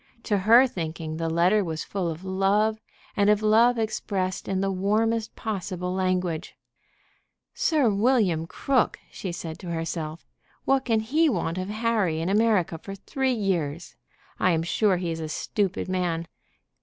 To her thinking the letter was full of love, and of love expressed in the warmest possible language. "Sir William Crook!" she said to herself. "What can he want of Harry in America for three years? I am sure he is a stupid man.